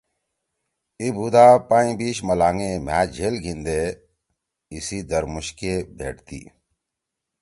ای بودا پائیں بیش ملانگے مھا جھیل گھیندے ایسی درمُوشکے بھیٹ تی۔